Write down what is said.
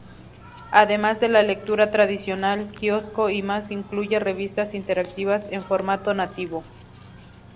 Además de la lectura tradicional, Kiosko y más incluye revistas interactivas en formato nativo.